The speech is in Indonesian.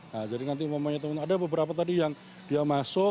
nah jadi nanti momennya teman teman ada beberapa tadi yang dia masuk